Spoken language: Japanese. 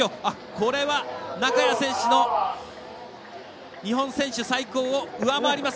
これは、中谷選手の日本選手最高を上回ります。